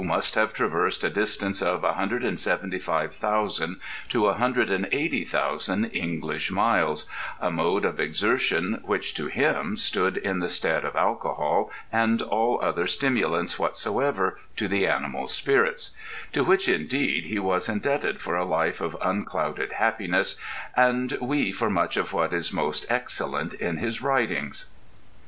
must have traversed a distance of 175,000 to 180,000 English miles—a mode of exertion which, to him, stood in the stead of alcohol and all other stimulants whatsoever to the animal spirits; to which, indeed, he was indebted for a life of unclouded happiness, and we for much of what is most excellent in his writings."